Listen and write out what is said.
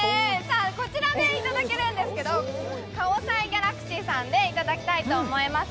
こちらでいただけるんですけど、カオサイギャラクシーさんでいただきたいと思います。